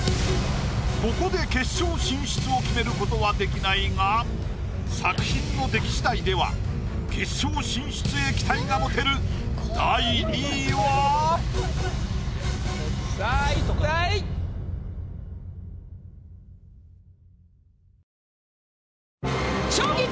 ここで決勝進出を決めることはできないが作品の出来しだいでは決勝進出へ期待が持てるさあ一体⁉昇吉！